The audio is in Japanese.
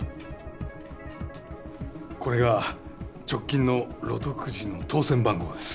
これが直近のロトくじの当選番号です。